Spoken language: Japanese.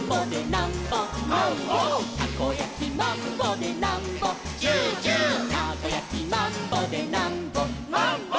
「たこやきマンボでなんぼチューチュー」「たこやきマンボでなんぼマンボ」